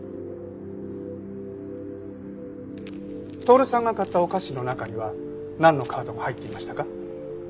透さんが買ったお菓子の中にはなんのカードが入っていましたか？